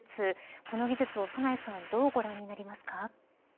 この技術を長内さんどうご覧になりますか。